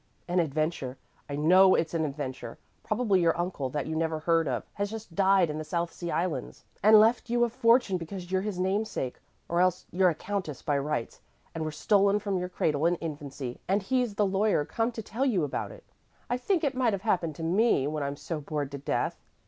"An adventure I know it's an adventure. Probably your uncle, that you never heard of, has just died in the South Sea Islands, and left you a fortune because you're his namesake; or else you're a countess by rights, and were stolen from your cradle in infancy, and he's the lawyer come to tell you about it. I think it might have happened to me, when I'm so bored to death!